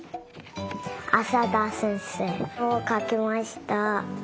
浅田先生をかきました。